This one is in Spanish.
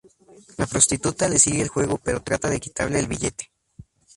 La prostituta le sigue el juego pero trata de quitarle el billete.